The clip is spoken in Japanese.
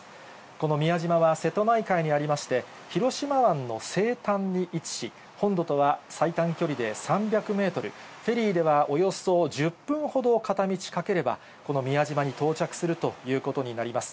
この宮島は瀬戸内海にありまして、広島湾の西端に位置し、本土とは最短距離で３００メートル、フェリーではおよそ１０分ほど、片道かければ、この宮島に到着するということになります。